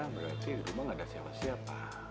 berarti di rumah gak ada siapa siapa